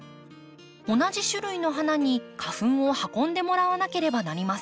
同じ種類の花に花粉を運んでもらわなければなりません。